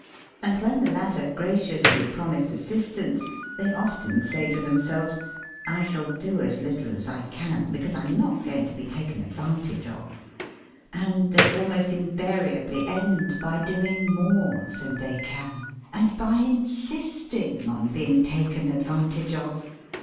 And when the latter graciously promise as sistance, they often say to themselves : "I shall do as little as I can, because I'm not going to be taken advantage of." And they almost invariably end by doing more than they can, and by insisting on being taken advantage of.